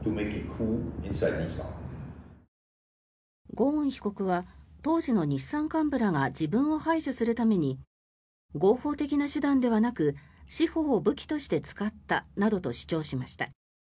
ゴーン被告は当時の日産幹部らが自分を排除するために合法的な手段ではなく司法を武器として使ったなどと主張しました。